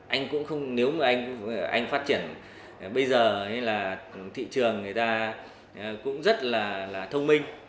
anh phát triển bây giờ thì là thị trường người ta cũng rất là thông minh